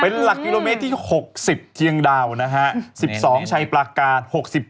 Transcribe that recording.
เป็นหลักกิโลเมตรที่๖๐เชียงดาวนะฮะ๑๒ชัยปลาการ๖๗